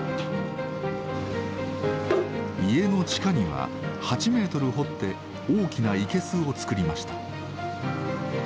家の地下には８メートル掘って大きな生けすをつくりました。